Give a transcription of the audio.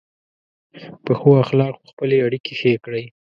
په ښو اخلاقو خپلې اړیکې ښې کړئ.